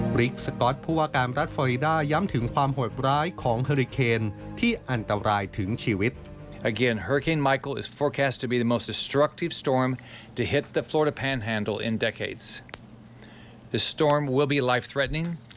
ริกสก๊อตผู้ว่าการรัฐฟอริดาย้ำถึงความโหดร้ายของเฮอริเคนที่อันตรายถึงชีวิต